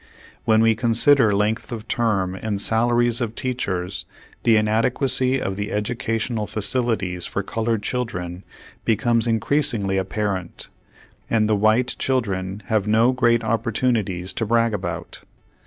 When we consider length of term and salaries of teachers, the inadequacy of the educational facilities for colored children becomes increas ingly apparent, and the white children have no great opportunities to brag about.